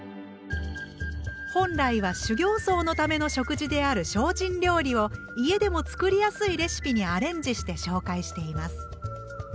本来は修行僧のための食事である精進料理を家でも作りやすいレシピにアレンジして紹介しています。